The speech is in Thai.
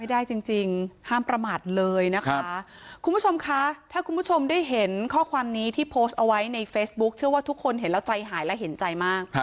ได้จริงห้ามประมาทเลยนะคะคุณผู้ชมคะถ้าคุณผู้ชมได้เห็นข้อความนี้ที่โพสต์เอาไว้ในเฟซบุ๊คเชื่อว่าทุกคนเห็นแล้วใจหายและเห็นใจมาก